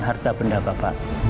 harga benda bapak